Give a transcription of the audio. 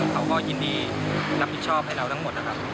เขาก็ยินดีรับผิดชอบให้เราทั้งหมดนะครับ